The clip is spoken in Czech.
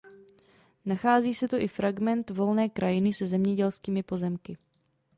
Nachází se tu i fragment volné krajiny se zemědělskými pozemky.